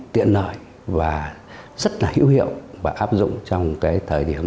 tiện lợi và rất là hữu hiệu và áp dụng trong thời điểm